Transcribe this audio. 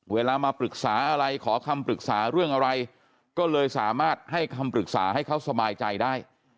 เวลามาปรึกษาอะไรขอคำปรึกษาเรื่องอะไรก็เลยสามารถให้คำปรึกษาให้เขาสบายใจได้